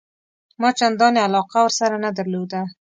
ما چنداني علاقه ورسره نه درلوده.